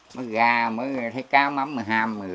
mới ra mới thấy cá mắm mưa ham